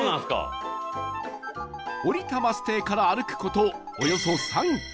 降りたバス停から歩く事およそ３キロ